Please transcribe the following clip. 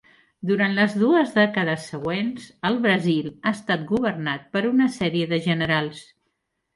Durant les dues dècades següents, el Brasil ha estat governat per una sèrie de generals.